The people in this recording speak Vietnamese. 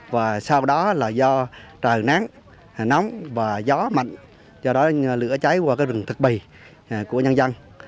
và sau đó là do trời nắng nóng và gió mạnh do đó lửa cháy qua cái rừng thực bì của nhân dân